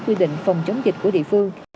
quy định phòng chống dịch của địa phương